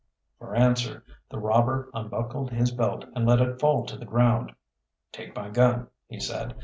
For answer the robber unbuckled his belt and let it fall to the ground. "Take my gun," he said.